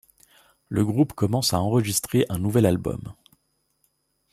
Le groupe commence à enregistrer un nouvel album.